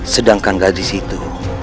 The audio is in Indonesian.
sedangkan gadis itu